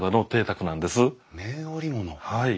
はい。